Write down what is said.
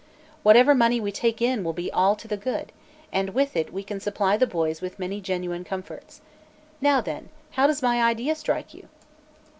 Whatever money we take in will be all to the good, and with it we can supply the boys with many genuine comforts. Now, then, how does my idea strike you?"